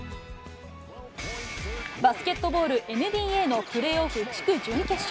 バスケットボールＮＢＡのプレーオフ地区準決勝。